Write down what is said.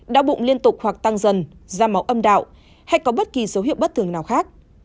đau bụng liên tục hoặc tăng dần da màu âm đạo hay có bất kỳ dấu hiệu bất thường nào khác